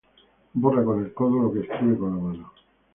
Borra con el codo lo que escribe con la mano.